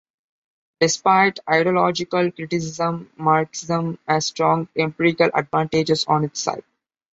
Despite ideological criticism, Marxism has strong empirical advantages on its side.